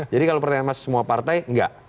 kalau pertanyaan mas semua partai enggak